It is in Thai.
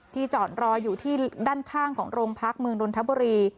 ที่จอดรออยู่ที่ด้านข้างของโรงพักษณ์เมืองดนตราบุรี